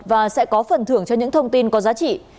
và sẽ có phần thưởng cho những thông tin có giá trị